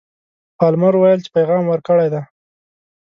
پالمر ویل چې پیغام ورکړی دی.